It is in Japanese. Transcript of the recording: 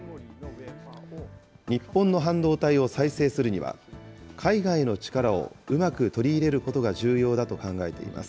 日本の半導体を再生するには、海外の力をうまく取り入れることが重要だと考えています。